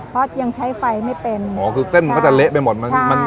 เพราะยังใช้ไฟไม่เป็นอ๋อคือเส้นมันก็จะเละไปหมดมันมัน